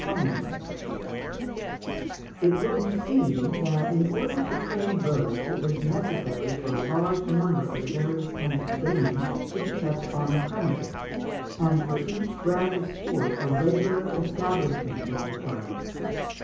] It will be seen that, in order to train birds, it was necessary for a large number of the various kinds of game to be kept on the premises, and for each branch of sport a regular establishment was required.